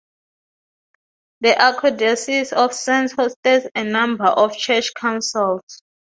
The Archdiocese of Sens hosted a number of church councils.